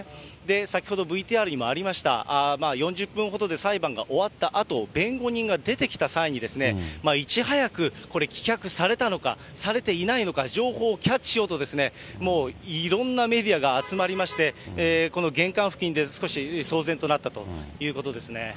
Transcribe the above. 先ほどＶＴＲにもありました、４０分ほどで裁判が終わったあと、弁護人が出てきた際に、いち早くこれ、棄却されたのか、されていないのか、情報をキャッチしようと、もういろんなメディアが集まりまして、この玄関付近で少し騒然となったということですね。